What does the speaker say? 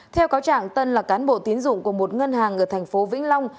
theo cáo trạng tân là cán bộ tiến dụng của một ngân hàng ở thành phố vĩnh long